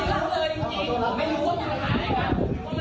ช่วยหัวหน้า